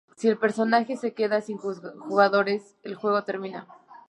Sí el personaje se queda sin jugadores, el juego termina.